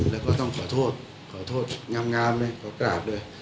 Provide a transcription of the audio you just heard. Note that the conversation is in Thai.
แล้วก็ต้องขอโทษขอโทษงามเลยขอกราบเลย